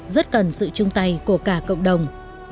rất cần sự chung tay của cả cộng đồng